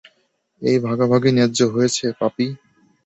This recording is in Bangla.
এই ভাগাভাগি নায্য হয়েছে, পাপি।